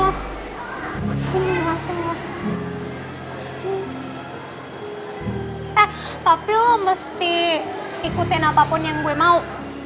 eh tapi mesti ikutin apapun yang gue mau